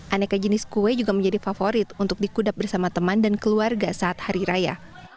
aneka jenis kue juga menjadi favorit untuk dikudap bersama teman dan keluarga saat hari raya